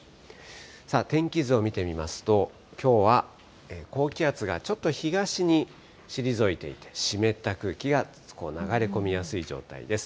さあ、天気図を見てみますと、きょうは高気圧がちょっと東に退いていて、湿った空気が流れ込みやすい状態です。